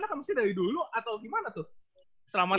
maksudnya dari dulu atau gimana tuh